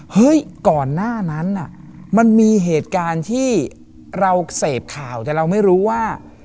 ก่อนหน้านั้นมันมีเหตุการณ์ที่เราเสพข่าวแต่เราไม่รู้ว่า